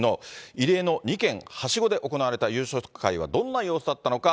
異例の２軒はしごで行われた夕食会は、どんな様子だったのか。